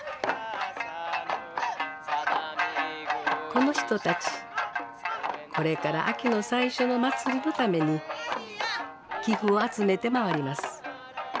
この人たちこれから秋の最初の祭りのために寄付を集めて回ります。